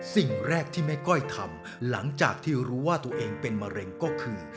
สิ่งแรกที่แม่ก้อยทำหลังจากที่รู้ว่าตัวเองเป็นมะเร็งก็คือ